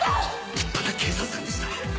立派な警察官でした。